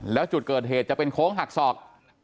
แล้วจุดเกิดเหตุจะเป็นโค้งหักศอก